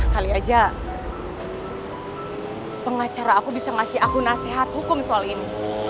kali aja pengacara aku bisa ngasih aku nasihat hukum soal ini